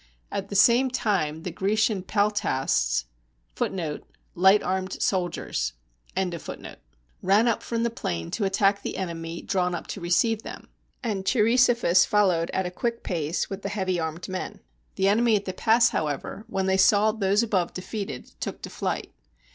At the same time the Grecian peltasts ^ ran up from the plain to at tack the enemy drawn up to receive them, and Cheiri sophus followed at a quick pace with the heavy armed men. The enemy at the pass, however, when they saw those above defeated, took to flight.